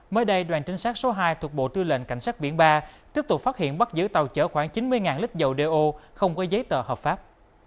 mới đây đoàn trinh sát số hai thuộc bộ tư lệnh cảnh sát biển ba tiếp tục phát hiện bắt giữ tàu chở khoảng chín mươi lít dầu đeo không có giấy tờ hợp pháp